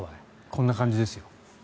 こんな感じですよ。